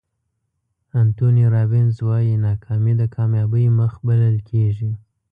انتوني رابینز وایي ناکامي د کامیابۍ مخ بلل کېږي.